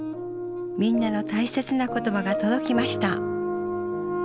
みんなの大切な言葉が届きました。